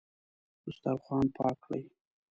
دسترخوان پاک کړئ